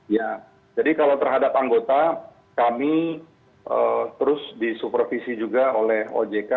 ya jadi kalau terhadap anggota kami terus disupervisi juga oleh ojk